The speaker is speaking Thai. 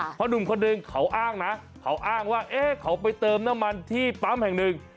เพราะหนุ่มคนหนึ่งเขาอ้างนะเขาอ้างว่าเขาไปเติมน้ำมันที่ปั๊มแห่งหนึ่ง